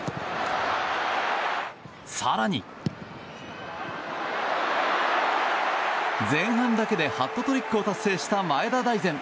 更に前半だけでハットトリックを達成した前田大然。